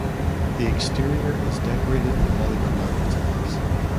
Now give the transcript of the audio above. The exterior is decorated in polychromatic tiles.